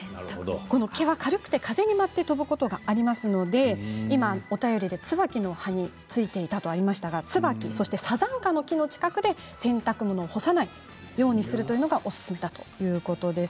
この毛は軽くて風に舞って飛ぶこともありますので今お便りで椿の葉についていたとありましたけれども椿やサザンカの木の近くに洗濯物を干さないようにするというのがおすすめだということです。